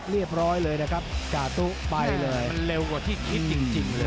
เรียบร้อยเลยนะครับจาตุไปเลยมันเร็วกว่าที่คิดจริงเลย